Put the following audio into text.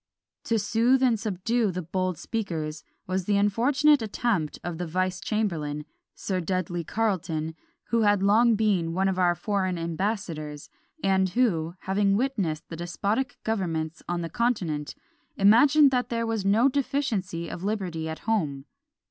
To soothe and subdue "the bold speakers" was the unfortunate attempt of the vice chamberlain, Sir Dudley Carleton, who had long been one of our foreign ambassadors; and who, having witnessed the despotic governments on the continent, imagined that there was no deficiency of liberty at home.